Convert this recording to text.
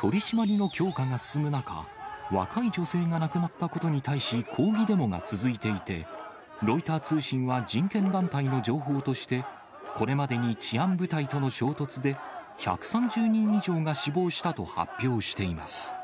取締りの強化が進む中、若い女性が亡くなったことに対し、抗議デモが続いていて、ロイター通信は人権団体の情報として、これまでに治安部隊との衝突で、１３０人以上が死亡したと発表しています。